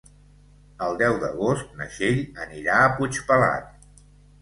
El deu d'agost na Txell anirà a Puigpelat.